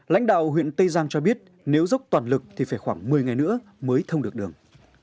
lãnh đạo huyện tây giang cho biết nếu dốc toàn lực thì phải khoảng một mươi ngày nữa mới thông được đường